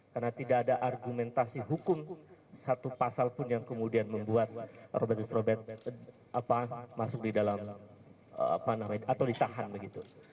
karena tidak ada argumentasi hukum satu pasal pun yang kemudian membuat robertus robert masuk di dalam atau ditahan begitu